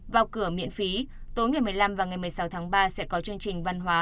vào cửa miễn phí tối ngày một mươi năm và ngày một mươi sáu tháng ba sẽ có chương trình văn hóa